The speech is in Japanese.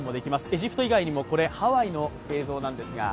エジプト以外にも、これはハワイの映像なんですが。